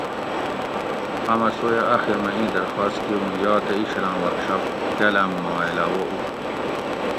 آمہ سویہ آخر مئی اِیں درخاس کیر اوں یاتہ اینچھلاں ورکشاپ کالام ما علاوہ اوشو